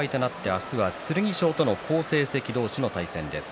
明日は剣翔との好成績同士の対戦です。